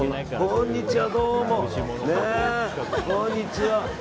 こんにちは。